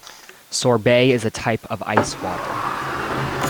Sorbet is a type of water ice